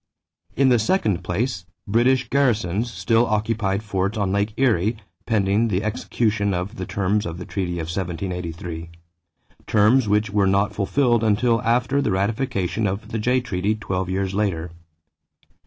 In the second place, British garrisons still occupied forts on Lake Erie pending the execution of the terms of the treaty of 1783 terms which were not fulfilled until after the ratification of the Jay treaty twelve years later.